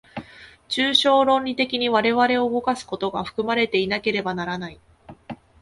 抽象論理的に我々を動かすことが含まれていなければならない。